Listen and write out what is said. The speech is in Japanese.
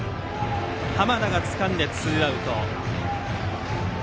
濱田がつかんでツーアウト。